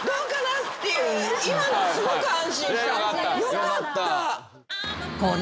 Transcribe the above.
よかった。